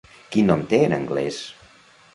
Quin nom té en anglès?